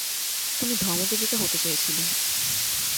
তুমি ধর্মযাজিকা হতে চেয়েছিলে।